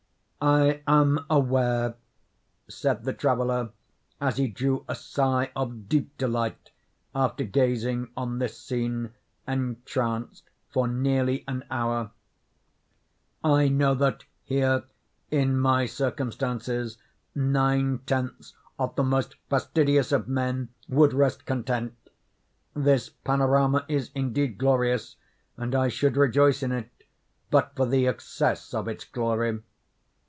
"I am aware," said the traveller, as he drew a sigh of deep delight after gazing on this scene, entranced, for nearly an hour, "I know that here, in my circumstances, nine tenths of the most fastidious of men would rest content. This panorama is indeed glorious, and I should rejoice in it but for the excess of its glory.